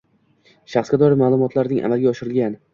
shaxsga doir ma’lumotlarning amalga oshirilgan